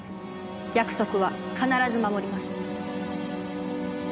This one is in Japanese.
約束は必ず守ります。